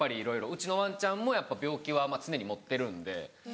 うちのワンちゃんもやっぱ病気は常に持ってるんで。